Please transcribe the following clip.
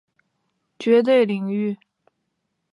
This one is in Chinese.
绝对领域指的就是任何人心里的心理屏障。